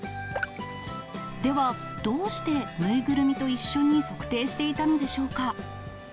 では、どうして縫いぐるみと一緒に測定していたのでしょうか。